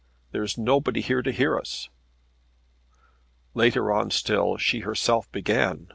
There is nobody here to hear us." Later on still she herself began.